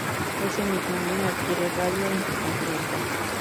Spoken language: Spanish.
Ese mismo año, adquiere Radio Intercontinental.